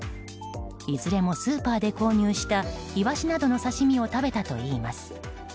いずれもスーパーで購入したイワシなどの刺し身を食べたといいます。